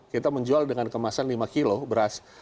kita menjual dengan kemasan lima kilo beras